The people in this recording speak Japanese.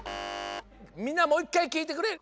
みんなもういっかいきいてくれ。